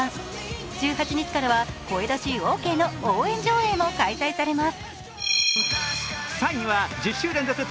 １８日からは声出しオーケーの応援上映も開催されます。